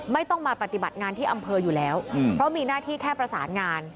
ไม่ต้องมาปฏิบัติงานที่อำเภออยู่แล้วเพราะมีหน้าที่แค่ประสานงาน